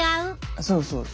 そうそう。